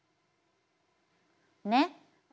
ねっ。